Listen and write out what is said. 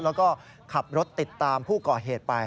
แล้วก็ขับรถติดตามผู้ก่อเหตุไป